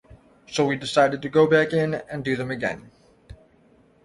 So we decided to go back in and do them again.